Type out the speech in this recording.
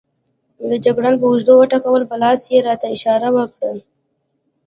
جګړن پر اوږه وټکولم، په لاس یې راته اشاره وکړه.